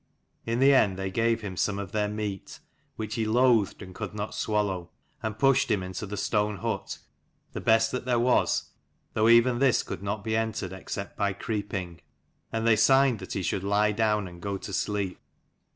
In the end they gave him some of their meat, which he loathed and could not swallow: and pushed him into the stone hut, the best that there was, though even this could not be entered except by creeping: and they signed that he should lie down and go to sleep.